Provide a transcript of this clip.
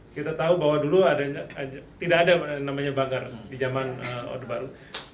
kita tahu bahwa dulu tidak ada namanya banggar di zaman orde baru